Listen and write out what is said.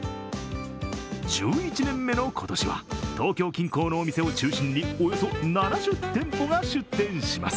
１１年目の今年は、東京近郊のお店を中心におよそ７０店舗が出店します。